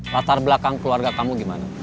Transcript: latar belakang keluarga kamu gimana